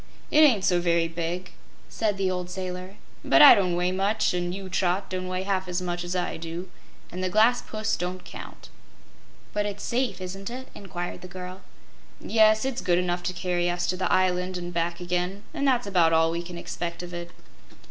"It ain't so very big," said the old sailor, "but I don't weigh much, an' you, Trot, don't weigh half as much as I do, an' the glass pussy don't count." "But it's safe, isn't it?" inquired the girl. "Yes; it's good enough to carry us to the island an' back again, an' that's about all we can expect of it."